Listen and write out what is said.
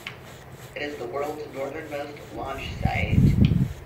It is the world's northernmost launch site.